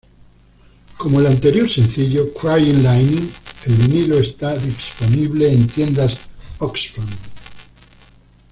Como el anterior sencillo Crying Lightning, el vinilo está disponible en tiendas Oxfam.